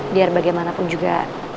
biar bagaimanapun juga